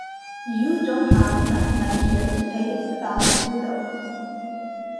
You don't have enough money here to pay the balance of your bill.